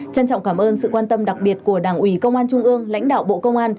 trân trọng cảm ơn sự quan tâm đặc biệt của đảng ủy công an trung ương lãnh đạo bộ công an